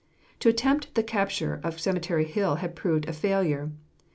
The attempt to capture Cemetery Hill had proved a failure.